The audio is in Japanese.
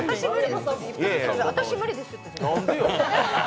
私、無理ですって、絶対。